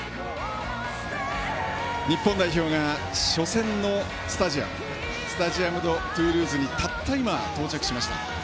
日本代表が初戦のスタジアムスタジアム・ド・トゥールーズにたった今、到着しました。